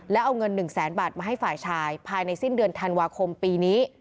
แล้วเอาเงิน๑แสนบาทมาให้ฝ่ายชายภายในสิ้นเดือนธันวาคมปีนี้